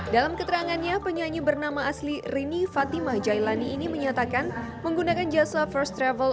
dalam keterangannya penyanyi bernama asli rini fatimah jailani ini menyatakan menggunakan jasa first travel